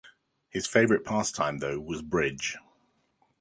His favourite pastime though was bridge.